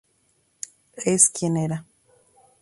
Es quien era.